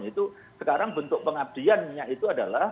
itu sekarang bentuk pengabdiannya itu adalah